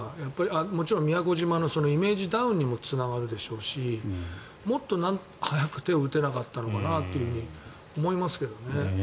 もちろん宮古島のイメージダウンにもつながるでしょうしもっと早く手を打てなかったのかなというふうに思いますけどね。